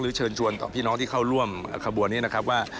เชิญชวนต่อพี่น้องที่เข้าร่วมขบวนนี้นะครับว่า